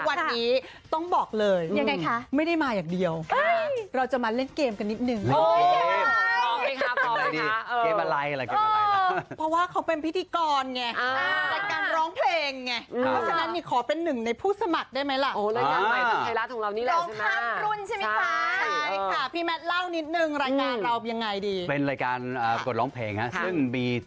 วันนี้ต้องบอกเลยยังไงคะไม่ได้มาอย่างเดียวเราจะมาเล่นเกมกันนิดนึง